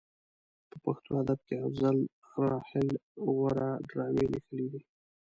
په پښتو ادب کې افضل راحل غوره ډرامې لیکلې دي.